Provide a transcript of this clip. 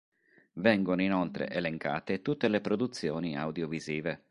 Vengono inoltre elencate tutte le produzioni audiovisive.